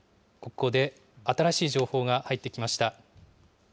ここで新しい情報が入ってきました。